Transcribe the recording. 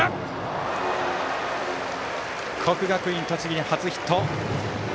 国学院栃木に初ヒット。